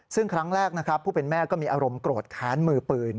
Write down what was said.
ซึ่งครั้งแรกนะครับผู้เป็นแม่ก็มีอารมณ์โกรธแค้นมือปืน